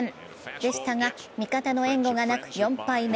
でしたが味方の援護がなく４敗目。